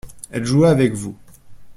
Elle jouait avec vous.